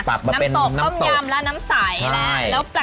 ปรับมาเป็นน้ำตกน้ำตกน้ำตกต้มยำและน้ำใส